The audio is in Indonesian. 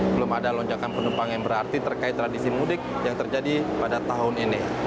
belum ada lonjakan penumpang yang berarti terkait tradisi mudik yang terjadi pada tahun ini